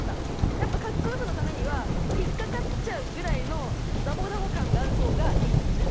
やっぱカッコよさのためには引っかかっちゃうぐらいのダボダボ感があるほうがいいんですね。